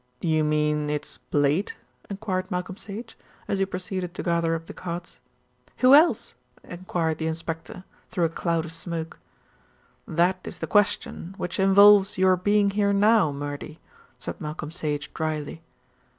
"You mean it's Blade?" enquired Malcolm Sage, as he proceeded to gather up the cards. "Who else?" enquired the inspector, through a cloud of smoke. "That is the question which involves your being here now, Murdy," said Malcolm Sage dryly.